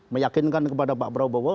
meyakinkan kepada pak prabowo